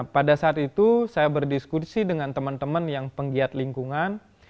pada saat itu saya berdiskusi dengan teman teman yang penggiat lingkungan